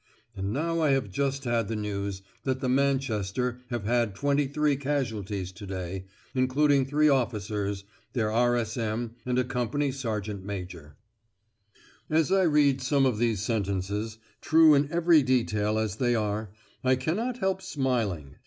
And now I have just had the news that the Manchester have had twenty three casualties to day, including three officers, their R.S.M., and a company sergeant major." As I read some of these sentences, true in every detail as they are, I cannot help smiling.